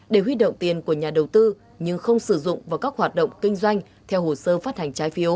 để huy động tiền của nhà đầu tư nhưng không sử dụng vào các khoản